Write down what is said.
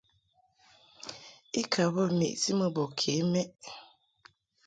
I ka bə meʼti mɨ bɔ ke mɛʼ.